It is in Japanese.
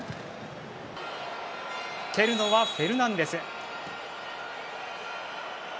蹴るのはフェルナンデス。